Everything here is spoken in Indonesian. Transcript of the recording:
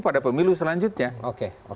pada pemilu selanjutnya oke